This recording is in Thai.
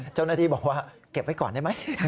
เจ้าหน้าที่บอกว่าเก็บไว้ก่อนได้ไหม